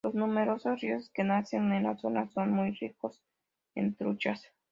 Los numerosos ríos que nacen en la zona son muy ricos en truchas.